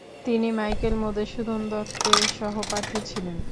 তিনি মাইকেল মধুসূদন দত্তের সহপাঠী ছিলেন।